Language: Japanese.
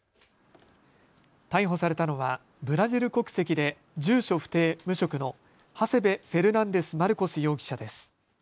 逮捕されたのはブラジル国籍で住所不定、無職のハセベ・フェルナンデス・マルコス容疑者です。